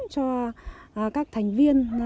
cho các thành viên